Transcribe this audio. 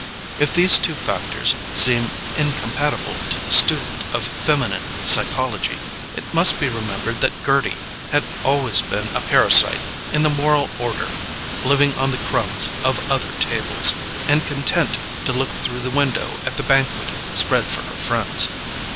If these two factors seem incompatible to the student of feminine psychology, it must be remembered that Gerty had always been a parasite in the moral order, living on the crumbs of other tables, and content to look through the window at the banquet spread for her friends.